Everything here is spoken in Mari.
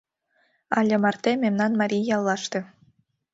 Але марте мемнан марий яллаште.